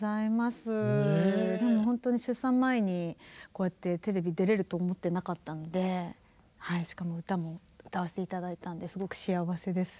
でもほんとに出産前にこうやってテレビ出れると思ってなかったのではいしかも歌も歌わせて頂いたんですごく幸せです。